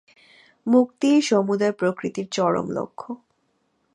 মুক্তিই সমুদয় প্রকৃতির চরম লক্ষ্য।